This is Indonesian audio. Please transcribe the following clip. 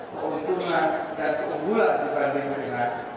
keuntungan dan keunggulan dibanding dengan